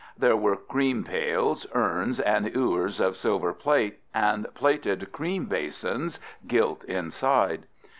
There were cream pails, urns, and ewers of silver plate, and plated cream basins "gilt inside."